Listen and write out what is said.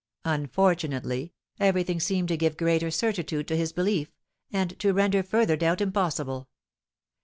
Unfortunately, everything seemed to give greater certitude to his belief, and to render further doubt impossible.